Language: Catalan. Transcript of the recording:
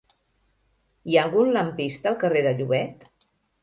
Hi ha algun lampista al carrer de Llobet?